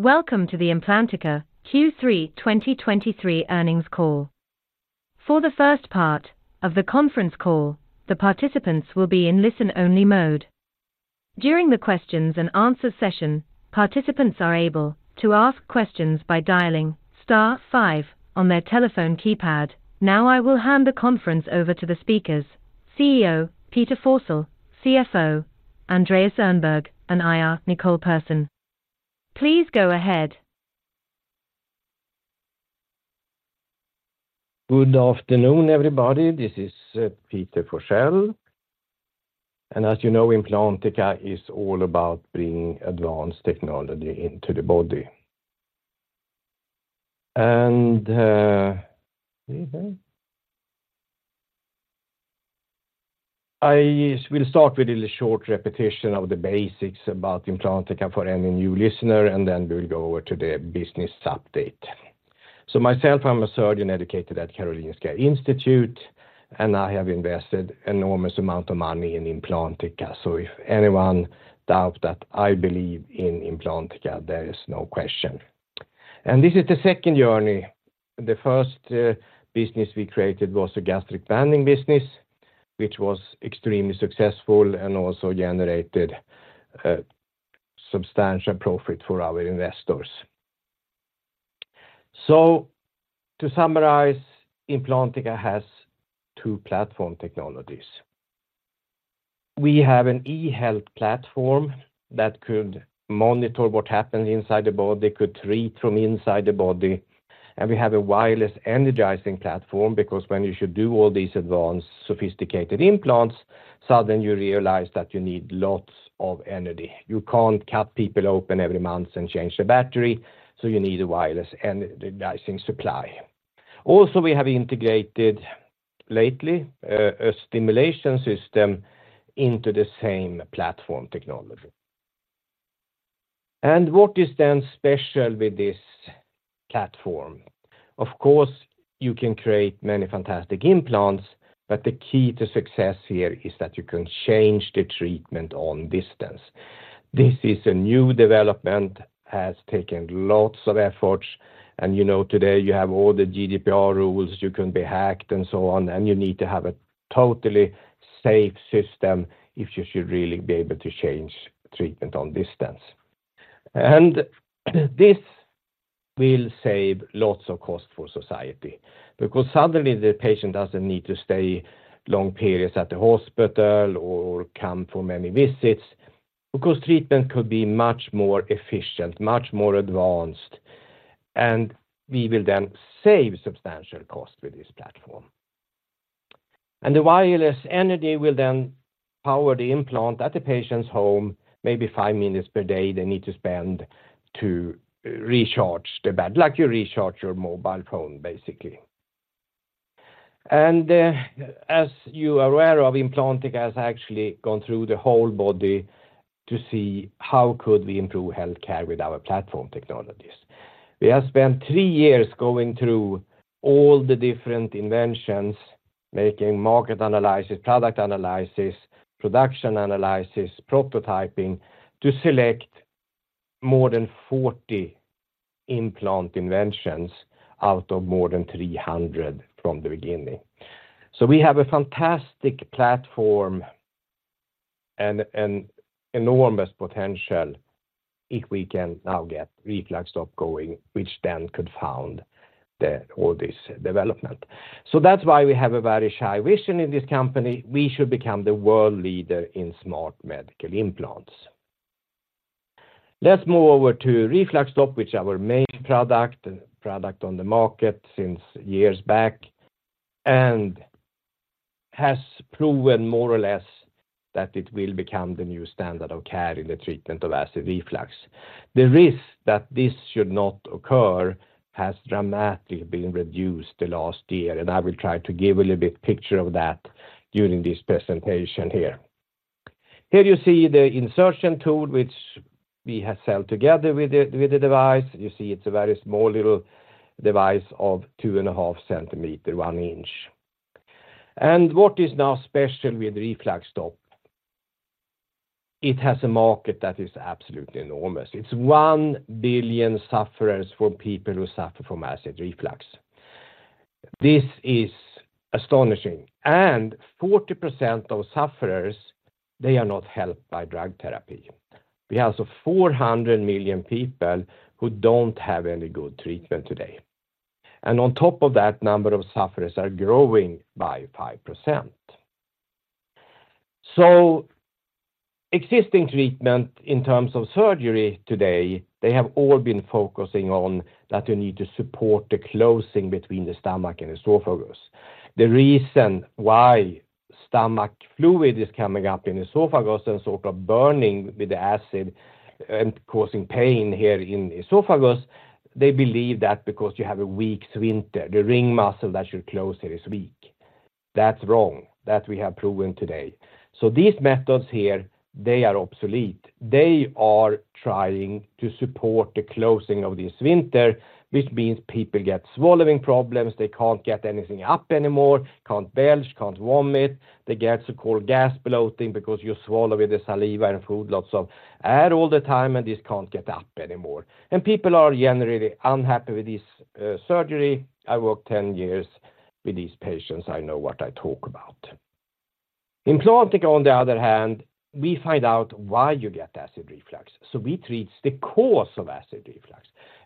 Welcome to the Implantica Q3 2023 Earnings Call. For the first part of the conference call, the participants will be in listen-only mode. During the questions and answer session, participants are able to ask questions by dialing star five on their telephone keypad. Now, I will hand the conference over to the speakers, CEO, Peter Forsell; CFO Andreas Öhrnberg; and IR Nicole Pehrsson. Please go ahead. Good afternoon, everybody. This is Peter Forsell, and as you know, Implantica is all about bringing advanced technology into the body. I will start with a little short repetition of the basics about Implantica for any new listener, and then we will go over to the business update. So myself, I'm a surgeon educated at Karolinska Institute, and I have invested enormous amount of money in Implantica. So if anyone doubt that I believe in Implantica, there is no question. And this is the second journey. The first business we created was a gastric banding business, which was extremely successful and also generated substantial profit for our investors. So to summarize, Implantica has two platform technologies. We have an eHealth Platform that could monitor what happens inside the body, could read from inside the body, and we have a wireless energizing platform, because when you should do all these advanced, sophisticated implants, suddenly you realize that you need lots of energy. You can't cut people open every month and change the battery, so you need a wireless energizing supply. Also, we have integrated lately a stimulation system into the same platform technology. What is then special with this platform? Of course, you can create many fantastic implants, but the key to success here is that you can change the treatment on distance. This is a new development, has taken lots of efforts, and, you know, today you have all the GDPR rules, you can be hacked, and so on, and you need to have a totally safe system if you should really be able to change treatment on distance. This will save lots of cost for society, because suddenly, the patient doesn't need to stay long periods at the hospital or come for many visits, because treatment could be much more efficient, much more advanced, and we will then save substantial cost with this platform. The wireless energy will then power the implant at the patient's home, maybe five minutes per day they need to spend to recharge the battery like you recharge your mobile phone, basically. And, as you are aware of, Implantica has actually gone through the whole body to see how could we improve healthcare with our platform technologies. We have spent three years going through all the different inventions, making market analysis, product analysis, production analysis, prototyping, to select more than 40 implant inventions out of more than 300 from the beginning. So we have a fantastic platform and enormous potential if we can now get RefluxStop going, which then could fund all this development. So that's why we have a very high vision in this company. We should become the world leader in smart medical implants. Let's move over to RefluxStop, which our main product, and product on the market since years back, and has proven more or less that it will become the new standard of care in the treatment of acid reflux. The risk that this should not occur has dramatically been reduced the last year, and I will try to give a little bit picture of that during this presentation here. Here you see the insertion tool, which we have sold together with the device. You see it's a very small little device of 2.5 centimeters, one inch. And what is now special with RefluxStop? It has a market that is absolutely enormous. It's 1 billion sufferers from people who suffer from acid reflux. This is astonishing, and 40% of sufferers, they are not helped by drug therapy. We have 400 million people who don't have any good treatment today, and on top of that, number of sufferers are growing by 5%. So existing treatment in terms of surgery today, they have all been focusing on that you need to support the closing between the stomach and esophagus. The reason why stomach fluid is coming up in the esophagus and sort of burning with the acid and causing pain here in the esophagus, they believe that because you have a weak sphincter, the ring muscle that should close here is weak. That's wrong. That we have proven today. So these methods here, they are obsolete. They are trying to support the closing of the sphincter, which means people get swallowing problems. They can't get anything up anymore, can't belch, can't vomit. They get so-called gas bloating because you swallow with the saliva and food, lots of air all the time, and this can't get up anymore. And people are generally unhappy with this surgery. I worked 10 years with these patients, I know what I talk about. Implantica, on the other hand, we find out why you get acid reflux. So we treat the cause of acid reflux,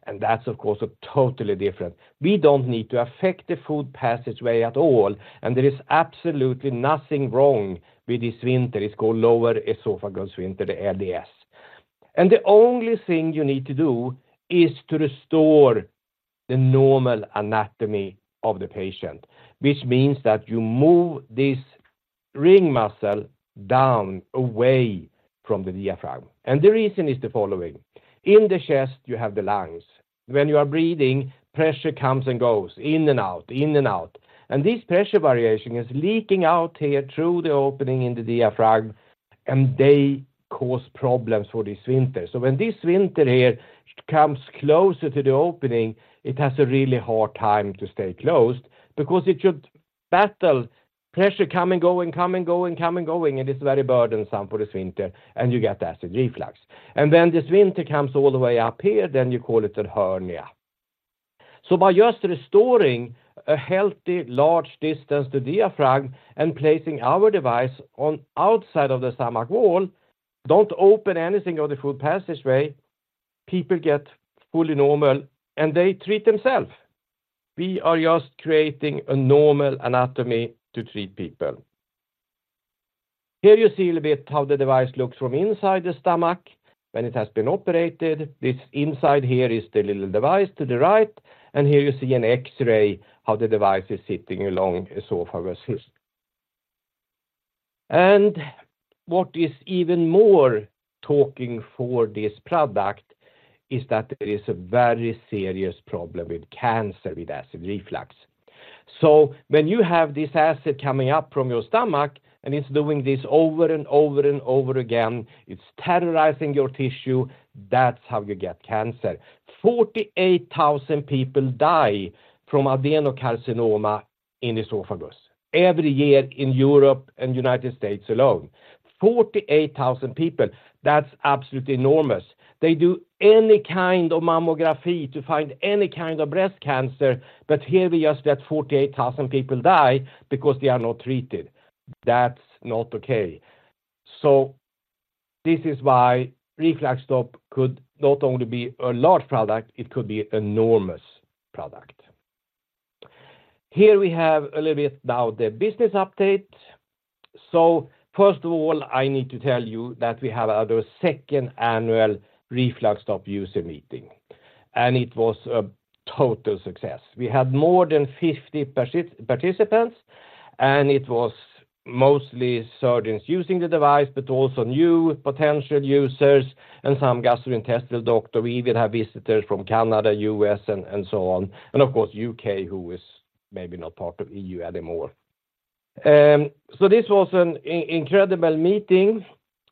and that's, of course, a totally different. We don't need to affect the food passageway at all, and there is absolutely nothing wrong with this sphincter. It's called lower esophageal sphincter, the LES. And the only thing you need to do is to restore the normal anatomy of the patient, which means that you move this ring muscle down, away from the diaphragm. And the reason is the following: in the chest, you have the lungs. When you are breathing, pressure comes and goes, in and out, in and out, and this pressure variation is leaking out here through the opening in the diaphragm, and they cause problems for this sphincter. When this sphincter here comes closer to the opening, it has a really hard time to stay closed because it should battle pressure come and go, and come and go, and come and going, and it's very burdensome for the sphincter, and you get acid reflux. When this sphincter comes all the way up here, then you call it a hernia. By just restoring a healthy, large distance to diaphragm and placing our device on outside of the stomach wall, don't open anything of the food passageway, people get fully normal, and they treat themselves. We are just creating a normal anatomy to treat people. Here you see a little bit how the device looks from inside the stomach when it has been operated. This inside here is the little device to the right, and here you see an X-ray of how the device is sitting along esophagus. What is even more talking for this product is that there is a very serious problem with cancer, with acid reflux. So when you have this acid coming up from your stomach, and it's doing this over, and over, and over again, it's terrorizing your tissue, that's how you get cancer. 48,000 people die from adenocarcinoma in esophagus every year in Europe and United States alone. 48,000 people, that's absolutely enormous. They do any kind of mammography to find any kind of breast cancer, but here we just let 48,000 people die because they are not treated. That's not okay. So this is why RefluxStop could not only be a large product, it could be enormous product. Here we have a little bit about the business update. So first of all, I need to tell you that we had our second annual RefluxStop user meeting, and it was a total success. We had more than 50 participants, and it was mostly surgeons using the device, but also new potential users and some gastrointestinal doctor. We even had visitors from Canada, U.S., and so on, and of course, U.K., who is maybe not part of EU anymore. So this was an incredible meeting,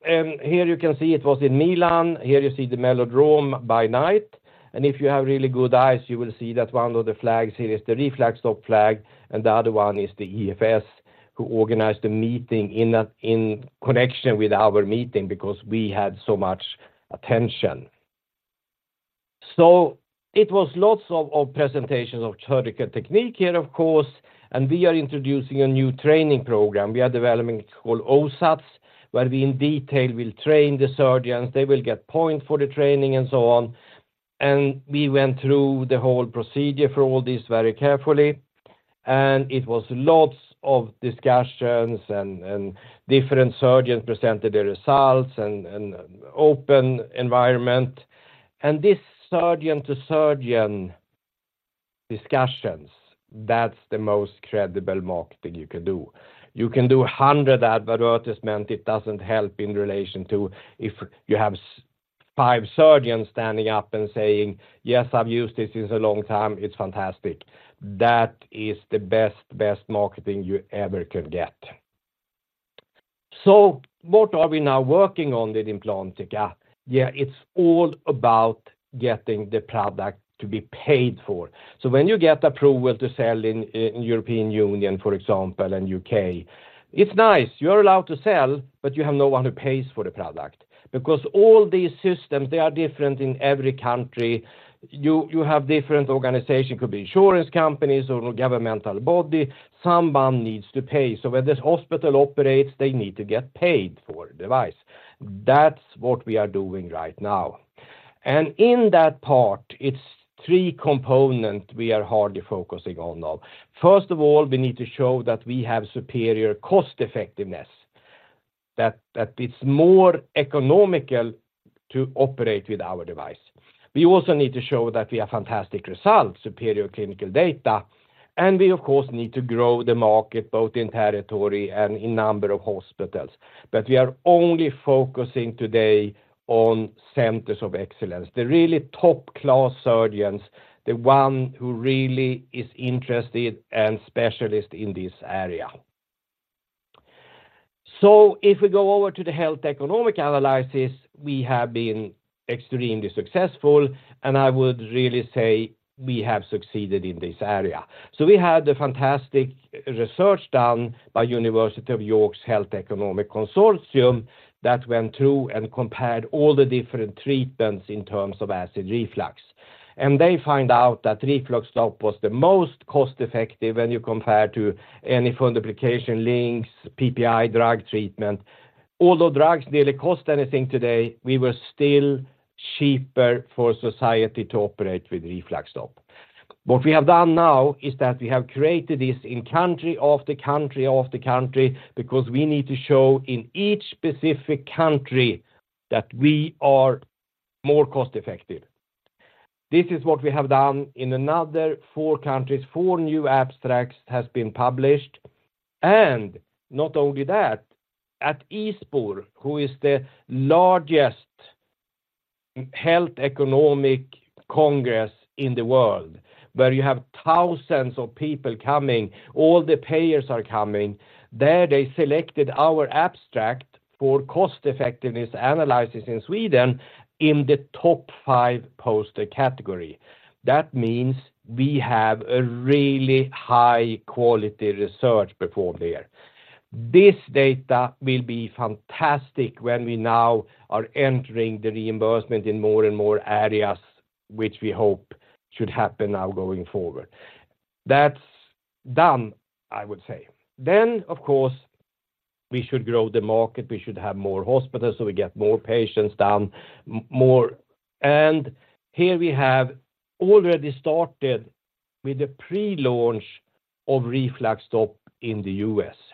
and here you can see it was in Milan. Here you see the Milano by night, and if you have really good eyes, you will see that one of the flags here is the RefluxStop flag, and the other one is the EFS, who organized the meeting in connection with our meeting because we had so much attention. So it was lots of presentations of surgical technique here, of course, and we are introducing a new training program. We are developing; it's called OSATS, where we, in detail, will train the surgeons. They will get points for the training and so on, and we went through the whole procedure for all this very carefully, and it was lots of discussions and different surgeons presented their results and an open environment. And this surgeon-to-surgeon discussions, that's the most credible marketing you can do. You can do 100 advertisement; it doesn't help in relation to if you have, say, five surgeons standing up and saying, "Yes, I've used this since a long time. It's fantastic." That is the best, best marketing you ever could get. So what are we now working on with Implantica? Yeah, it's all about getting the product to be paid for. So when you get approval to sell in European Union, for example, and U.K., it's nice. You're allowed to sell, but you have no one who pays for the product. Because all these systems, they are different in every country. You have different organization, could be insurance companies or governmental body. Someone needs to pay. So when this hospital operates, they need to get paid for a device. That's what we are doing right now. And in that part, it's three components we are hardly focusing on now. First of all, we need to show that we have superior cost effectiveness, that it's more economical to operate with our device. We also need to show that we have fantastic results, superior clinical data, and we, of course, need to grow the market, both in territory and in number of hospitals. But we are only focusing today on centers of excellence, the really top-class surgeons, the one who really is interested and specialist in this area. So if we go over to the health economic analysis, we have been extremely successful, and I would really say we have succeeded in this area. So we had a fantastic research done by University of York's Health Economics Consortium that went through and compared all the different treatments in terms of acid reflux, and they find out that RefluxStop was the most cost effective when you compare to any fundoplication LINX, PPI drug treatment. Although drugs nearly cost anything today, we were still cheaper for society to operate with RefluxStop. What we have done now is that we have created this in country, of the country, of the country, because we need to show in each specific country that we are more cost effective. This is what we have done in another four countries. Four new abstracts has been published, and not only that, at ISPOR, who is the largest health economic congress in the world, where you have thousands of people coming, all the payers are coming. There, they selected our abstract for cost effectiveness analysis in Sweden in the top five poster category. That means we have a really high quality research performed there. This data will be fantastic when we now are entering the reimbursement in more and more areas, which we hope should happen now going forward. That's done, I would say. Then, of course, we should grow the market. We should have more hospitals, so we get more patients, more. And here we have already started with the pre-launch of RefluxStop in the U.S. So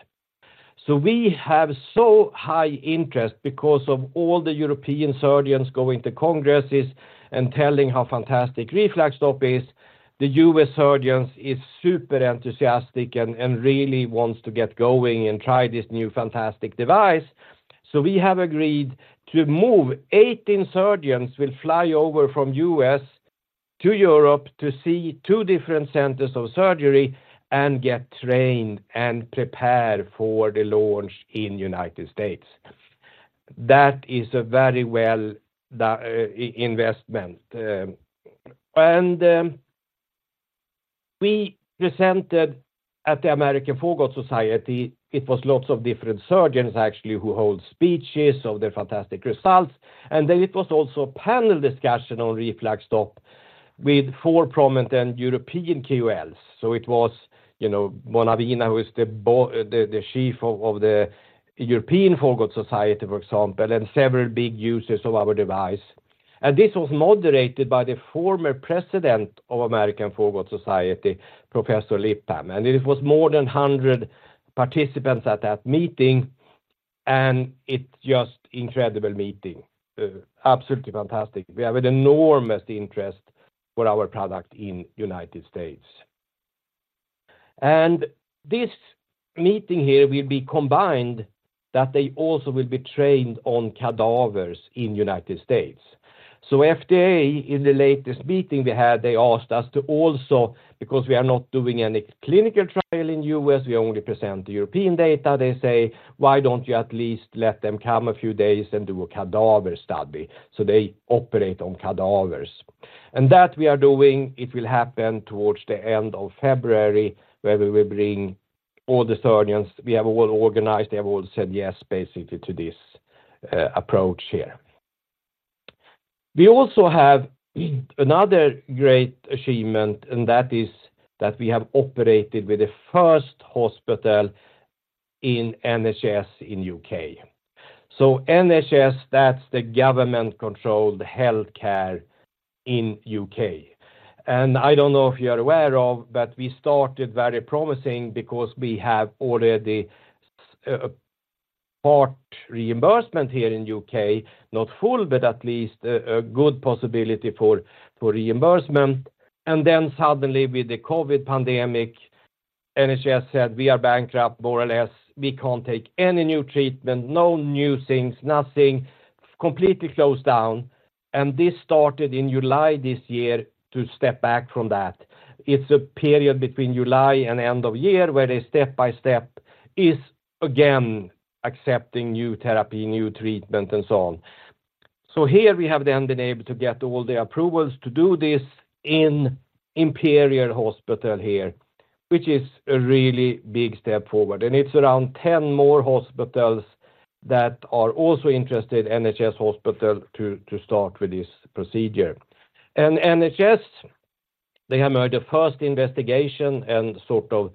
we have so high interest because of all the European surgeons going to congresses and telling how fantastic RefluxStop is. The U.S. surgeons is super enthusiastic and really wants to get going and try this new, fantastic device. So we have agreed to move. 18 surgeons will fly over from U.S. to Europe to see two different centers of surgery and get trained and prepared for the launch in United States. That is a very well investment. And we presented at the American Foregut Society. It was lots of different surgeons, actually, who hold speeches of their fantastic results. And then it was also a panel discussion on RefluxStop with four prominent and European KOLs. So it was, you know, Bonavina, who is the Chief of the European Foregut Society, for example, and several big users of our device. This was moderated by the former president of American Foregut Society, Professor Lipham. It was more than 100 participants at that meeting, and it's just an incredible meeting. Absolutely fantastic. We have an enormous interest for our product in the United States. This meeting here will be combined, that they also will be trained on cadavers in the United States. So FDA, in the latest meeting they had, they asked us to also, because we are not doing any clinical trial in US, we only present the European data. They say, "Why don't you at least let them come a few days and do a cadaver study?" So they operate on cadavers. That we are doing, it will happen towards the end of February, where we will bring all the surgeons. We have all organized. They have all said yes, basically, to this approach here. We also have another great achievement, and that is that we have operated with the first hospital in NHS in U.K. So NHS, that's the government-controlled healthcare in U.K. And I don't know if you are aware of, but we started very promising because we have already part reimbursement here in U.K. Not full, but at least a good possibility for reimbursement. And then suddenly, with the COVID pandemic, NHS said, "We are bankrupt, more or less. We can't take any new treatment, no new things, nothing," completely closed down, and this started in July this year to step back from that. It's a period between July and end of year, where they step by step is again accepting new therapy, new treatment, and so on. So here we have then been able to get all the approvals to do this in Imperial Hospital here, which is a really big step forward. And it's around 10 more hospitals that are also interested, NHS hospitals, to start with this procedure. And NHS, they have made a first investigation and sort of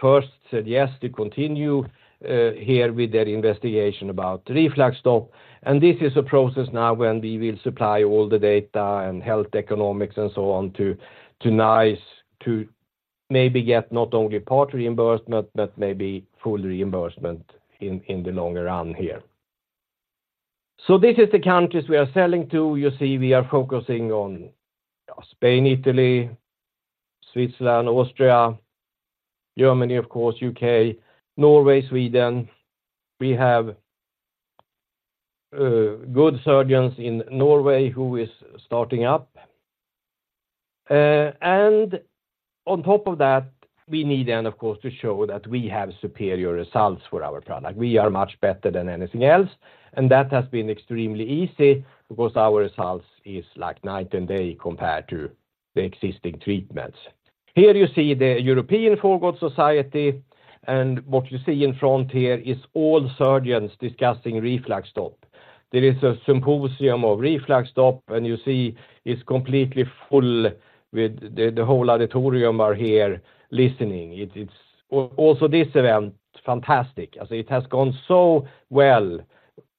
first said yes to continue here with their investigation about RefluxStop. And this is a process now when we will supply all the data and health economics and so on to NICE, to maybe get not only part reimbursement, but maybe full reimbursement in the longer run here. So this is the countries we are selling to. You see, we are focusing on Spain, Italy, Switzerland, Austria, Germany, of course, U.K., Norway, Sweden. We have good surgeons in Norway who is starting up. And on top of that, we need then, of course, to show that we have superior results for our product. We are much better than anything else, and that has been extremely easy because our results is like night and day compared to the existing treatments. Here you see the European Foregut Society, and what you see in front here is all surgeons discussing RefluxStop. There is a symposium of RefluxStop, and you see it's completely full with the whole auditorium are here listening. It's also this event, fantastic. So it has gone so well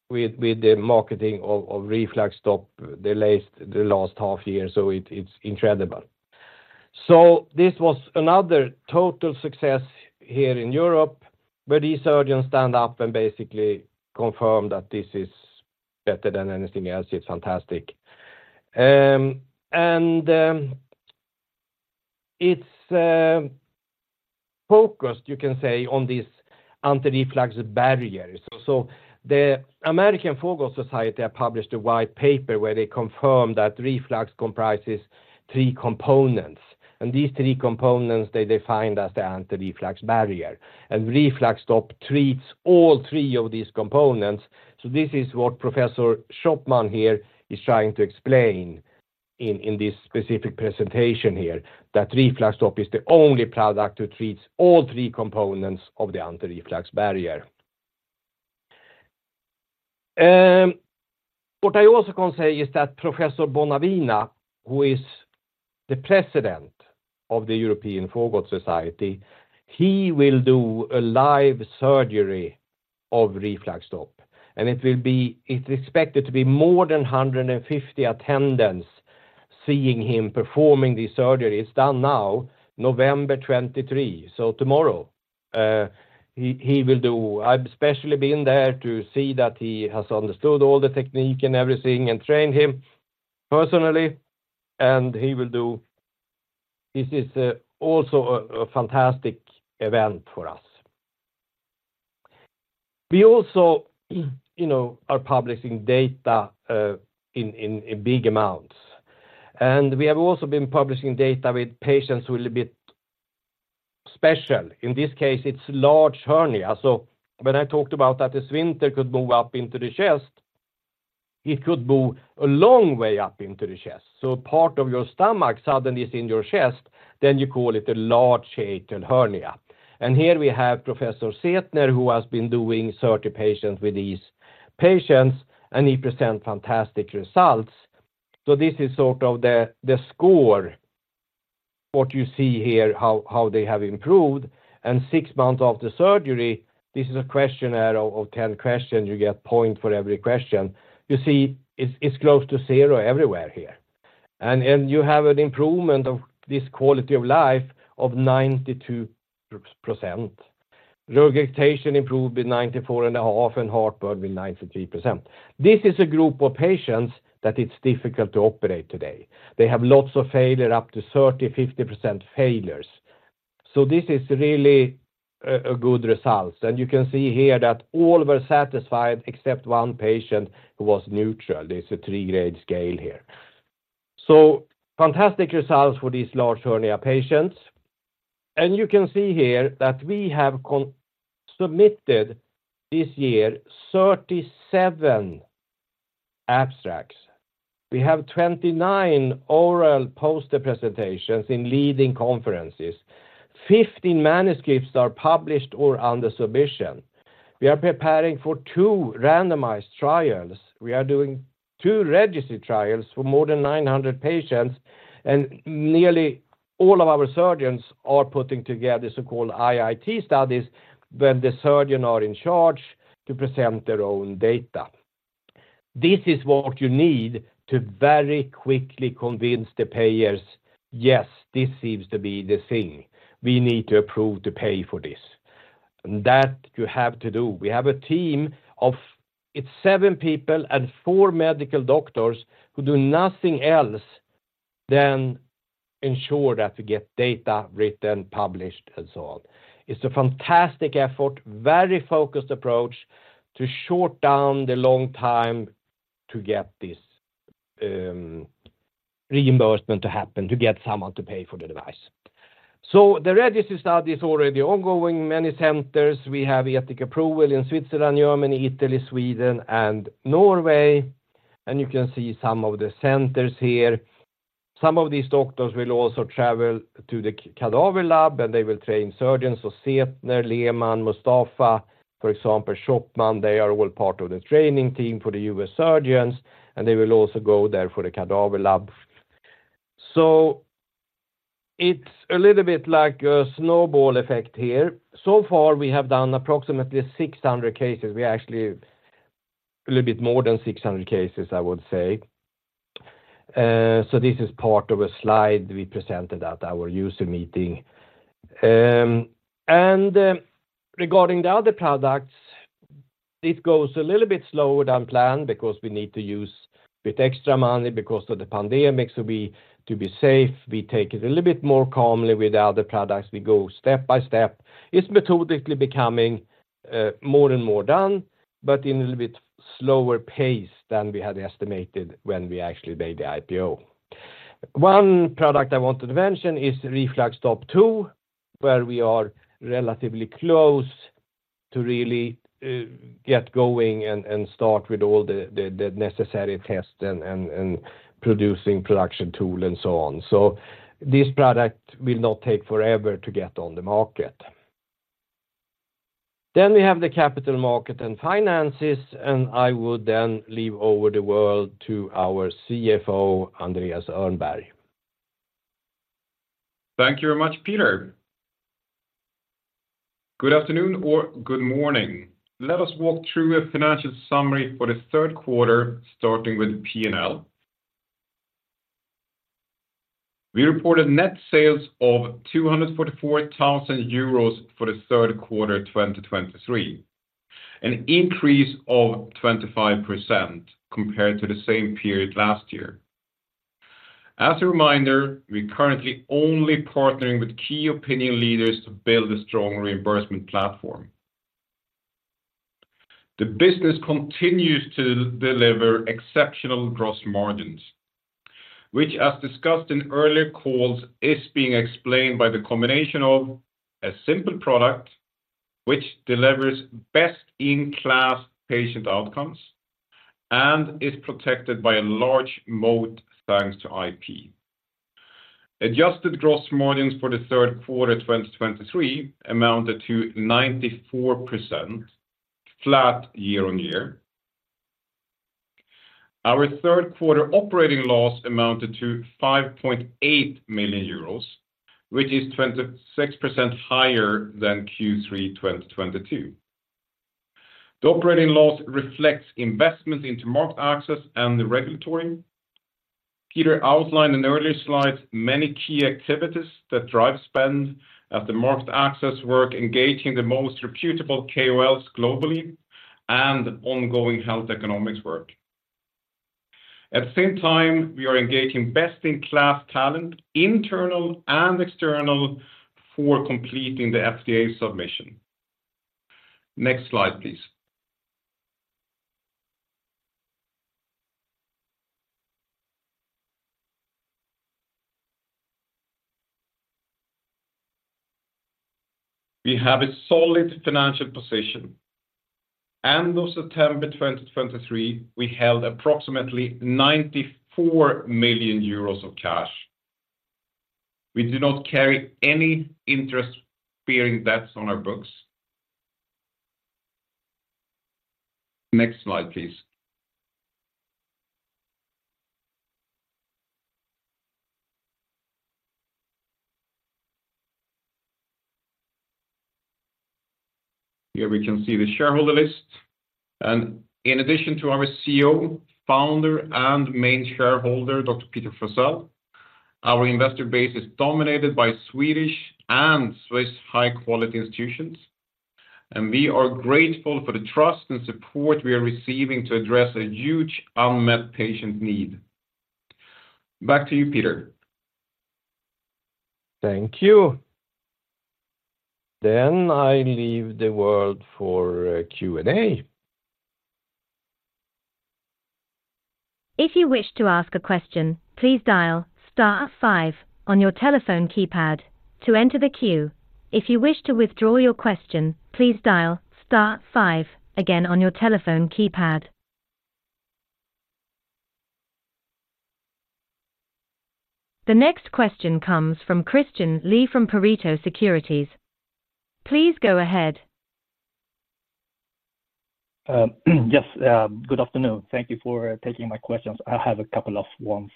with the marketing of RefluxStop the last half year, so it's incredible. So this was another total success here in Europe, where these surgeons stand up and basically confirm that this is better than anything else. It's fantastic. It's focused, you can say, on this anti-reflux barriers. So the American Foregut Society have published a white paper where they confirm that reflux comprises three components, and these three components, they defined as the anti-reflux barrier. And RefluxStop treats all three of these components. So this is what Professor Schoppmann here is trying to explain in this specific presentation here, that RefluxStop is the only product that treats all three components of the anti-reflux barrier. What I also can say is that Professor Bonavina, who is the president of the European Foregut Society, he will do a live surgery of RefluxStop, and it will be—it's expected to be more than 150 attendance, seeing him performing this surgery. It's done now, November 2023. So tomorrow, he will do. I've especially been there to see that he has understood all the technique and everything, and trained him personally, and he will do. This is also a fantastic event for us. We also, you know, are publishing data in big amounts. And we have also been publishing data with patients who a little bit special. In this case, it's large hernia. So when I talked about that the sphincter could move up into the chest, it could move a long way up into the chest. So part of your stomach suddenly is in your chest, then you call it a large hiatal hernia. And here we have Professor Zehetner, who has been doing 30 patients with these patients, and he present fantastic results. So this is sort of the score, what you see here, how they have improved. Six months after surgery, this is a questionnaire of 10 questions. You get a point for every question. You see, it's close to zero everywhere here. And you have an improvement of this quality of life of 92%. Regurgitation improved by 94.5%, and heartburn by 93%. This is a group of patients that it's difficult to operate today. They have lots of failure, up to 30-50% failures. So this is really a good results. And you can see here that all were satisfied, except one patient who was neutral. There's a three-grade scale here. So fantastic results for these large hernia patients. And you can see here that we have submitted this year 37 abstracts. We have 29 oral poster presentations in leading conferences. 15 manuscripts are published or under submission. We are preparing for two randomized trials. We are doing two registry trials for more than 900 patients, and nearly all of our surgeons are putting together so-called IIT studies, where the surgeon are in charge to present their own data. This is what you need to very quickly convince the payers, "Yes, this seems to be the thing. We need to approve to pay for this." And that you have to do. We have a team of—it's seven people and four medical doctors who do nothing else than ensure that we get data written, published, and so on. It's a fantastic effort, very focused approach, to short down the long time to get this, reimbursement to happen, to get someone to pay for the device. So the registry study is already ongoing in many centers. We have ethics approval in Switzerland, Germany, Italy, Sweden, and Norway, and you can see some of the centers here. Some of these doctors will also travel to the cadaver lab, and they will train surgeons. So Zehetner, Lehmann, Moustafa, for example, Schoppmann, they are all part of the training team for the U.S. surgeons, and they will also go there for the cadaver lab. So it's a little bit like a snowball effect here. So far, we have done approximately 600 cases. We actually a little bit more than 600 cases, I would say. So this is part of a slide we presented at our user meeting. And regarding the other products, it goes a little bit slower than planned because we need to use a bit extra money because of the pandemic. So we, to be safe, we take it a little bit more calmly with the other products. We go step by step. It's methodically becoming more and more done, but in a little bit slower pace than we had estimated when we actually made the IPO. One product I wanted to mention is RefluxStop 2, where we are relatively close to really get going and start with all the necessary tests and production tool and so on. So this product will not take forever to get on the market. Then we have the capital market and finances, and I will then leave over the word to our CFO, Andreas Öhrnberg. Thank you very much, Peter. Good afternoon or good morning. Let us walk through a financial summary for the third quarter, starting with P&L. We reported net sales of 244 thousand euros for the third quarter of 2023, an increase of 25% compared to the same period last year. As a reminder, we're currently only partnering with key opinion leaders to build a strong reimbursement platform. The business continues to deliver exceptional gross margins, which, as discussed in earlier calls, is being explained by the combination of a simple product, which delivers best-in-class patient outcomes and is protected by a large moat, thanks to IP. Adjusted gross margins for the third quarter of 2023 amounted to 94%, flat year-on-year. Our third quarter operating loss amounted to 5.8 million euros, which is 26% higher than Q3 2022. The operating loss reflects investments into market access and the regulatory. Peter outlined in earlier slides many key activities that drive spend at the market access work, engaging the most reputable KOLs globally, and ongoing health economics work. At the same time, we are engaging best-in-class talent, internal and external, for completing the FDA submission. Next slide, please. We have a solid financial position. End of September 2023, we held approximately 94 million euros of cash. We do not carry any interest-bearing debts on our books. Next slide, please. Here we can see the shareholder list, and in addition to our CEO, founder, and main shareholder, Dr. Peter Forsell, our investor base is dominated by Swedish and Swiss high-quality institutions, and we are grateful for the trust and support we are receiving to address a huge unmet patient need. Back to you, Peter. Thank you. Then I leave the floor for Q&A. If you wish to ask a question, please dial star five on your telephone keypad to enter the queue. If you wish to withdraw your question, please dial star five again on your telephone keypad. The next question comes from Christian Lee from Pareto Securities. Please go ahead. Yes, good afternoon. Thank you for taking my questions. I have a couple of ones.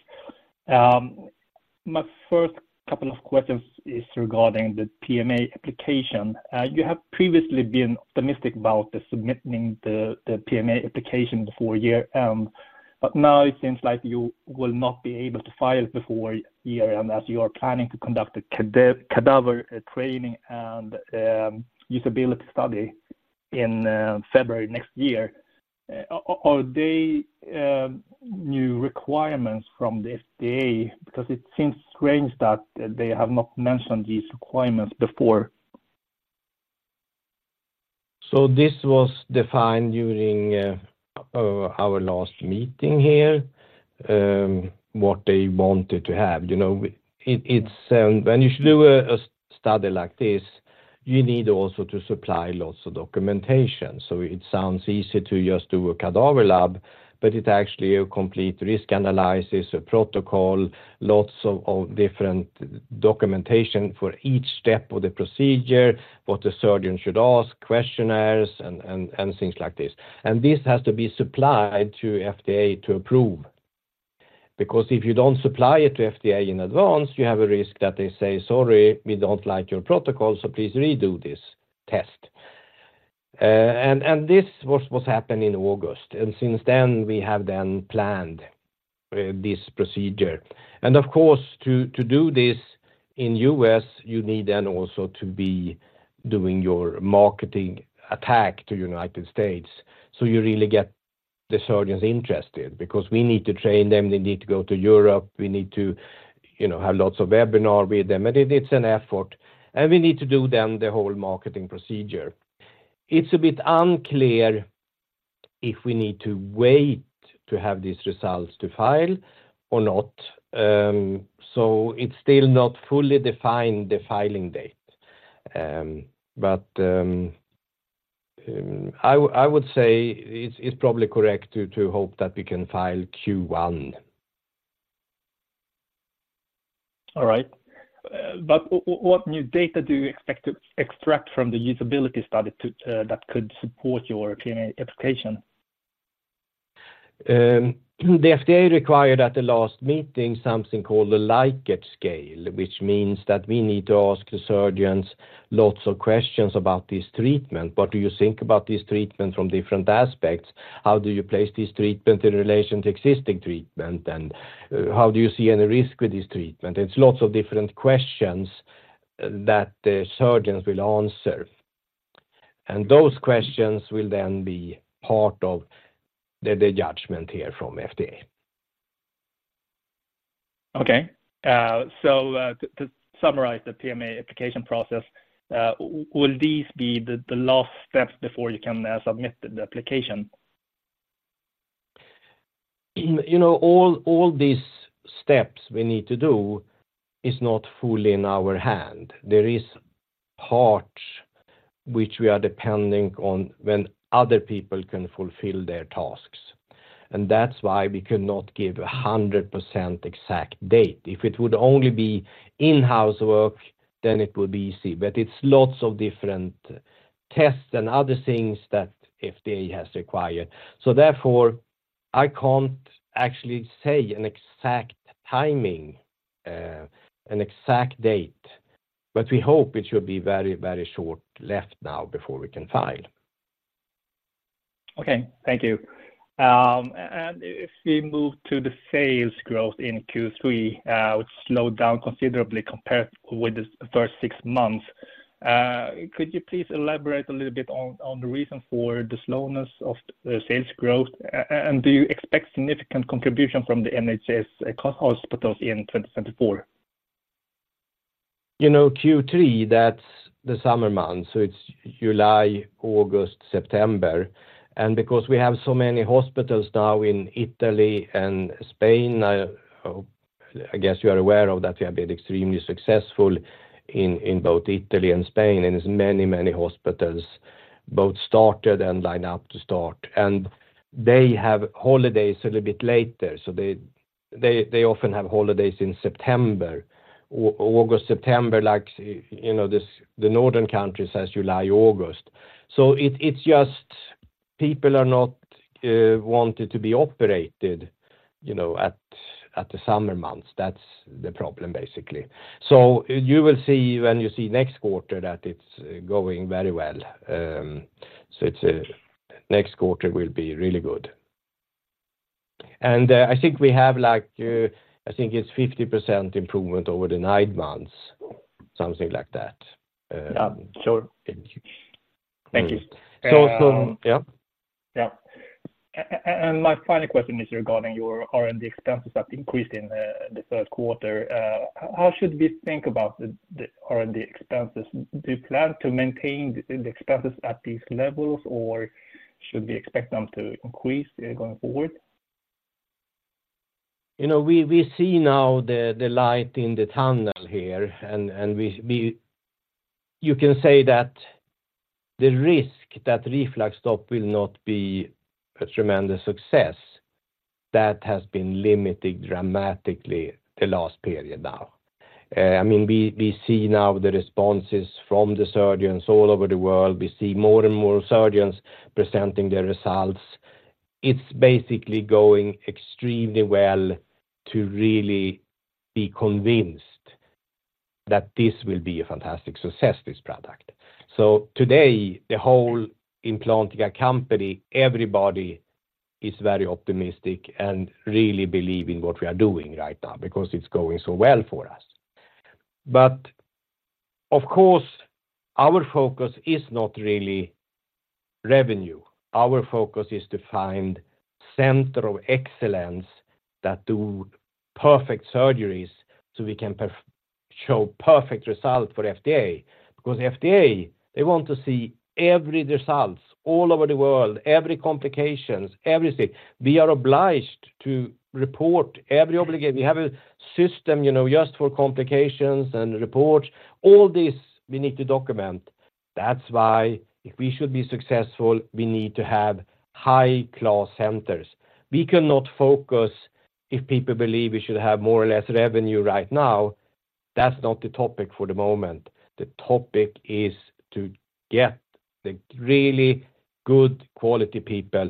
My first couple of questions is regarding the PMA application. You have previously been optimistic about submitting the PMA application before year, but now it seems like you will not be able to file before year, and that you are planning to conduct a cadaver training and usability study in February next year. Are they new requirements from the FDA? Because it seems strange that they have not mentioned these requirements before. So this was defined during our last meeting here, what they wanted to have. You know, it's when you do a study like this, you need also to supply lots of documentation. So it sounds easy to just do a cadaver lab, but it's actually a complete risk analysis, a protocol, lots of different documentation for each step of the procedure, what the surgeon should ask, questionnaires and things like this. And this has to be supplied to FDA to approve. Because if you don't supply it to FDA in advance, you have a risk that they say, "Sorry, we don't like your protocol, so please redo this test." And this was what happened in August, and since then, we have then planned this procedure. Of course, to do this in U.S., you need then also to be doing your marketing attack to United States. So you really get the surgeons interested, because we need to train them, they need to go to Europe. We need to, you know, have lots of webinar with them, and it's an effort, and we need to do then the whole marketing procedure. It's a bit unclear if we need to wait to have these results to file or not. So it's still not fully defined the filing date. But I would say it's probably correct to hope that we can file Q1. All right. But what new data do you expect to extract from the usability study to that could support your PMA application? The FDA required at the last meeting, something called the Likert scale, which means that we need to ask the surgeons lots of questions about this treatment. What do you think about this treatment from different aspects? How do you place this treatment in relation to existing treatment, and, how do you see any risk with this treatment? It's lots of different questions that the surgeons will answer, and those questions will then be part of the judgment here from FDA. Okay. So, to summarize the PMA application process, will these be the last steps before you can submit the application? You know, all, all these steps we need to do is not fully in our hand. There is parts which we are depending on when other people can fulfill their tasks, and that's why we could not give a 100% exact date. If it would only be in-house work, then it would be easy. But it's lots of different tests and other things that FDA has required. So therefore, I can't actually say an exact timing, an exact date, but we hope it should be very, very short left now before we can file. Okay, thank you. If we move to the sales growth in Q3, which slowed down considerably compared with the first six months, could you please elaborate a little bit on the reason for the slowness of the sales growth? And do you expect significant contribution from the NHS hospitals in 2024? You know, Q3, that's the summer months, so it's July, August, September. And because we have so many hospitals now in Italy and Spain, I guess you are aware of that we have been extremely successful in, in both Italy and Spain, and there's many, many hospitals both started and line up to start, and they have holidays a little bit later. So they, they, they often have holidays in September. August, September, like, you know, this, the northern countries has July, August. So it, it's just people are not wanting to be operated, you know, at the summer months. That's the problem, basically. So you will see when you see next quarter that it's going very well. So it's, next quarter will be really good. I think we have like, I think it's 50% improvement over the nine months, something like that. Yeah, sure. Thank you. So... Yeah. Yeah. My final question is regarding your R&D expenses that increased in the third quarter. How should we think about the R&D expenses? Do you plan to maintain the expenses at these levels, or should we expect them to increase going forward? You know, we see now the light in the tunnel here, and you can say that the risk that RefluxStop will not be a tremendous success, that has been limited dramatically the last period now. I mean, we see now the responses from the surgeons all over the world. We see more and more surgeons presenting their results. It's basically going extremely well to really be convinced that this will be a fantastic success, this product. So today, the whole Implantica company, everybody is very optimistic and really believe in what we are doing right now because it's going so well for us. But of course, our focus is not really revenue. Our focus is to find center of excellence that do perfect surgeries so we can show perfect result for FDA. Because FDA, they want to see every results all over the world, every complications, everything. We are obliged to report every obligation. We have a system, you know, just for complications and reports. All this, we need to document. That's why if we should be successful, we need to have high-class centers. We cannot focus if people believe we should have more or less revenue right now. That's not the topic for the moment. The topic is to get the really good quality people,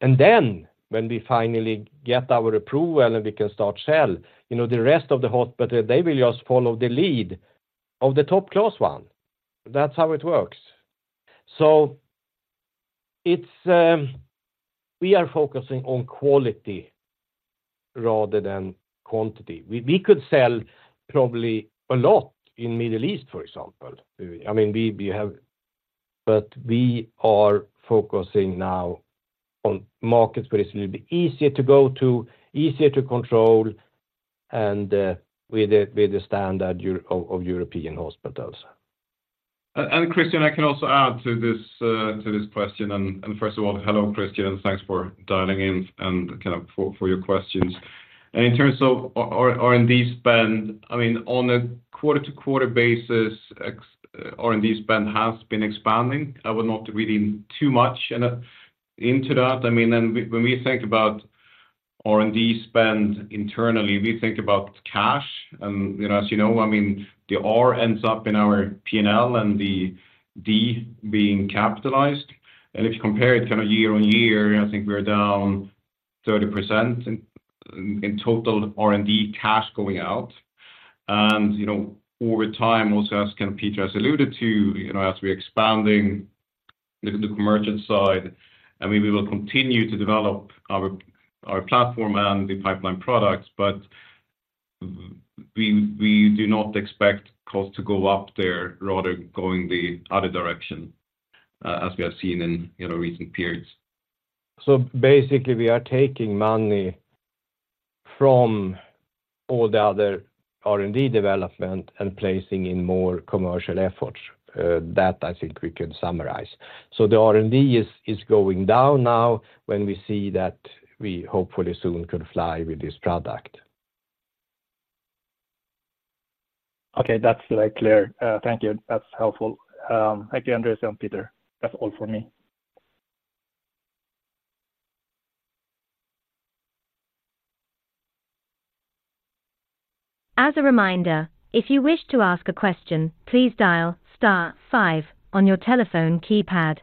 and then when we finally get our approval and we can start sell, you know, the rest of the hospital, they will just follow the lead of the top-class one. That's how it works. So it's, we are focusing on quality rather than quantity. We, we could sell probably a lot in Middle East, for example. I mean, we have, but we are focusing now on markets where it's a little bit easier to go to, easier to control, and with the standard of European hospitals. And Christian, I can also add to this, to this question. And first of all, hello, Christian, thanks for dialing in and kind of for your questions. And in terms of R&D spend, I mean, on a quarter-to-quarter basis, ex-R&D spend has been expanding. I would not really too much into that. I mean, then when we think about R&D spend internally, we think about cash. And, you know, as you know, I mean, the R ends up in our P&L and the D being capitalized. And if you compare it kind of year-on-year, I think we are down 30% in total R&D cash going out. You know, over time, also as kind of Peter has alluded to, you know, as we're expanding the commercial side, I mean, we will continue to develop our platform and the pipeline products, but we do not expect cost to go up there, rather going the other direction, as we have seen in recent periods. So basically, we are taking money from all the other R&D development and placing in more commercial efforts. That I think we can summarize. So the R&D is going down now, when we see that we hopefully soon could fly with this product. Okay, that's like clear. Thank you. That's helpful. Thank you, Andreas and Peter. That's all for me. As a reminder, if you wish to ask a question, please dial star five on your telephone keypad.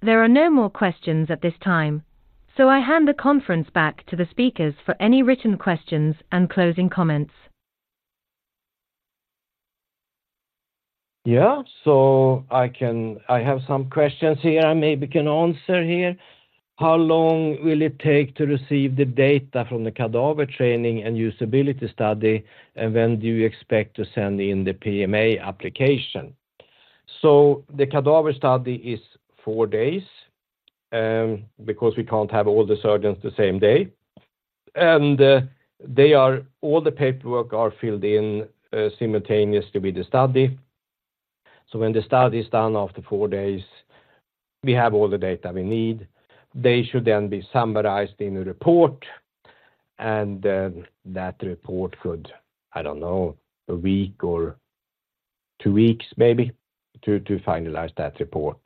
There are no more questions at this time, so I hand the conference back to the speakers for any written questions and closing comments. Yeah. So I have some questions here I maybe can answer here. How long will it take to receive the data from the cadaver training and usability study, and when do you expect to send in the PMA application? So the cadaver study is four days, because we can't have all the surgeons the same day. And they are all the paperwork are filled in simultaneously with the study. So when the study is done after four days, we have all the data we need. They should then be summarized in a report, and then that report could, I don't know, a week or two weeks maybe, to finalize that report.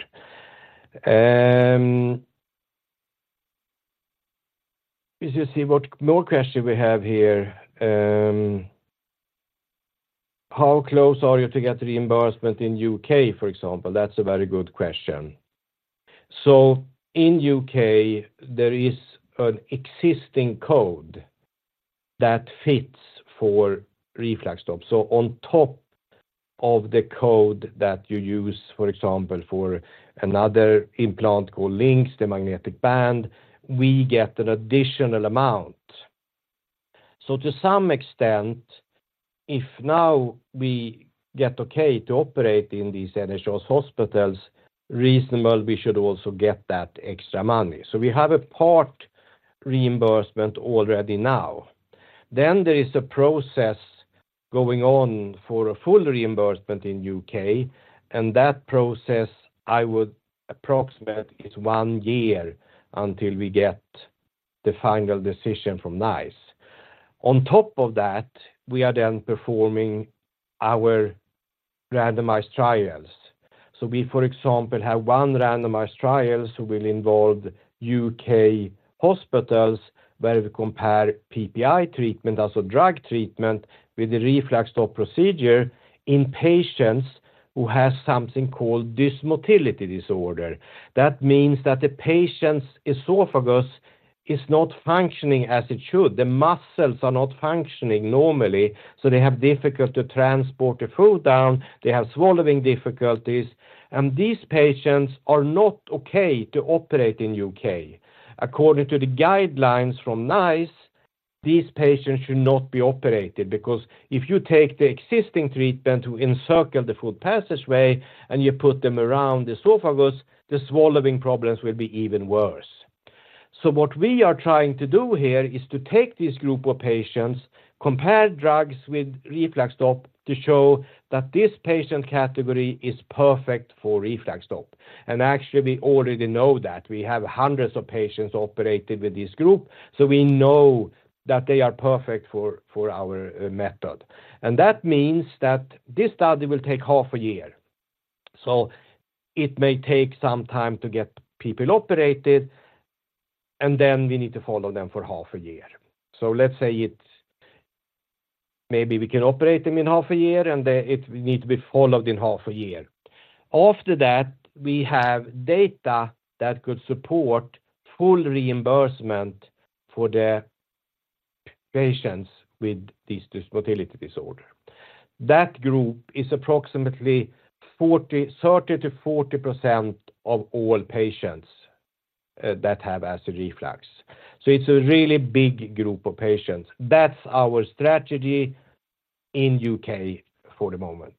We just see what more question we have here. How close are you to get reimbursement in U.K., for example? That's a very good question. So in U.K., there is an existing code that fits for RefluxStop. So on top of the code that you use, for example, for another implant called LINX, the magnetic band, we get an additional amount. So to some extent, if now we get okay to operate in these NHS hospitals, reasonable, we should also get that extra money. So we have a part reimbursement already now. Then there is a process going on for a full reimbursement in U.K., and that process, I would approximate, is one year until we get the final decision from NICE. On top of that, we are then performing our randomized trials. So we, for example, have one randomized trials which will involve U.K. hospitals, where we compare PPI treatment, also drug treatment, with the RefluxStop procedure in patients who have something called dysmotility disorder. That means that the patient's esophagus is not functioning as it should. The muscles are not functioning normally, so they have difficulty to transport the food down, they have swallowing difficulties, and these patients are not okay to operate in U.K. According to the guidelines from NICE, these patients should not be operated, because if you take the existing treatment to encircle the food passageway and you put them around the esophagus, the swallowing problems will be even worse. So what we are trying to do here is to take this group of patients, compare drugs with RefluxStop, to show that this patient category is perfect for RefluxStop. And actually, we already know that. We have hundreds of patients operated with this group, so we know that they are perfect for our method. And that means that this study will take half a year. So it may take some time to get people operated, and then we need to follow them for half a year. So let's say it's—maybe we can operate them in half a year, and they need to be followed in half a year. After that, we have data that could support full reimbursement for the patients with this dysmotility disorder. That group is approximately 30%-40% of all patients that have acid reflux. So it's a really big group of patients. That's our strategy in U.K. for the moment.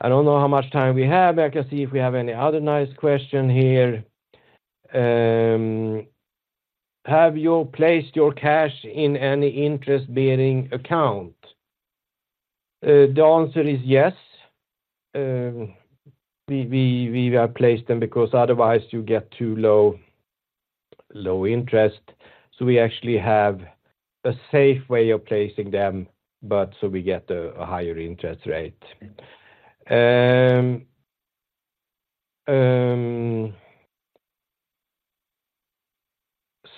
I don't know how much time we have. I can see if we have any other nice question here. Have you placed your cash in any interest-bearing account? The answer is yes. We have placed them because otherwise you get too low interest, so we actually have a safe way of placing them, but so we get a higher interest rate.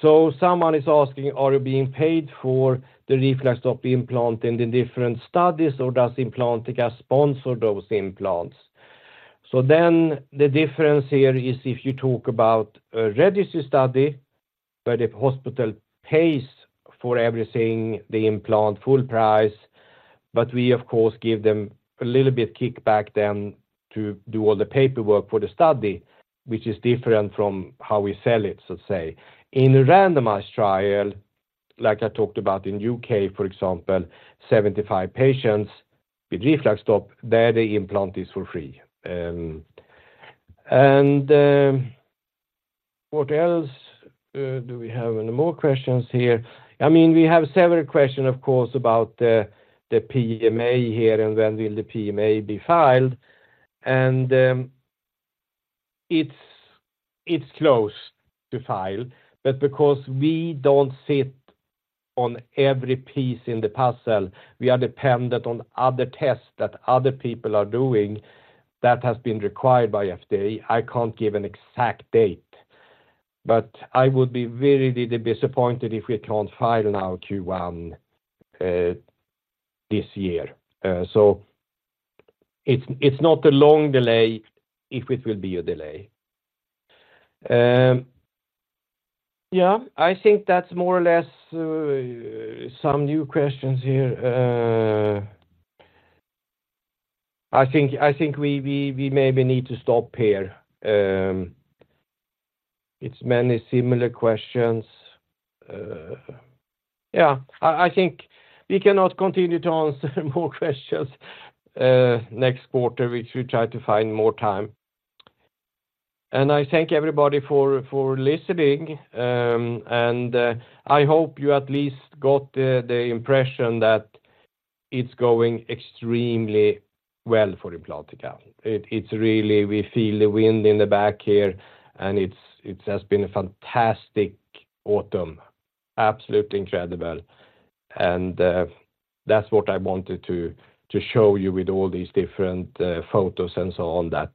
So someone is asking, are you being paid for the RefluxStop implant in the different studies, or does Implantica sponsor those implants? So then the difference here is if you talk about a registry study, where the hospital pays for everything, the implant full price, but we of course give them a little bit kickback then to do all the paperwork for the study, which is different from how we sell it, so to say. In a randomized trial, like I talked about in U.K., for example, 75 patients with RefluxStop, there the implant is for free. And what else, do we have any more questions here? I mean, we have several questions, of course, about the PMA here, and when will the PMA be filed? And, it's close to file, but because we don't sit on every piece in the puzzle, we are dependent on other tests that other people are doing that has been required by FDA. I can't give an exact date, but I would be very, really disappointed if we can't file now Q1 this year. So it's not a long delay if it will be a delay. Yeah, I think that's more or less some new questions here. I think we maybe need to stop here. It's many similar questions. Yeah, I think we cannot continue to answer more questions. Next quarter, we should try to find more time. And I thank everybody for listening. I hope you at least got the impression that it's going extremely well for Implantica. It's really, we feel the wind in the back here, and it has been a fantastic autumn. Absolutely incredible. And that's what I wanted to show you with all these different photos and so on, that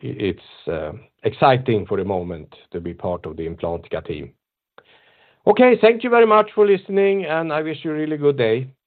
it's exciting for the moment to be part of the Implantica team. Okay, thank you very much for listening, and I wish you a really good day.